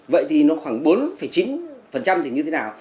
vậy thì nó khoảng bốn chín thì như thế nào